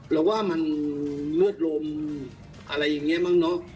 เราว่ามันมืดลมอะไรอย่างนี้บ้างเนอะ